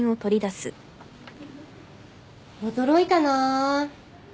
驚いたな